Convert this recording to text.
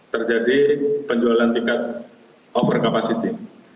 terjadi penjualan tingkat overcapacity